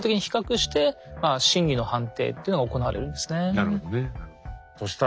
なるほどねえ。